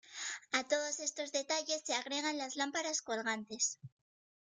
A todos estos detalles se agregan las lámparas colgantes.